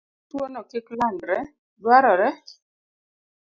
Mondo ogeng' tuwono kik landre, dwarore